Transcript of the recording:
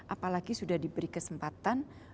apalagi sudah diberi kesempatan